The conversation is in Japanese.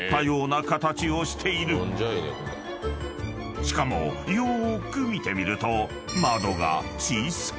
［しかもよーく見てみると］